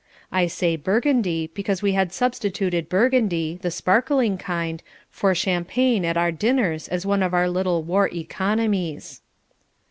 I say "Burgundy" because we had substituted Burgundy, the sparkling kind, for champagne at our dinners as one of our little war economies.